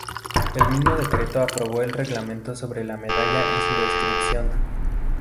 El mismo decreto aprobó el Reglamento sobre la medalla y su descripción.